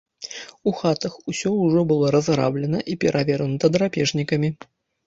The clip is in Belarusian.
У хатах усё ўжо было разграблена і перавернута драпежнікамі.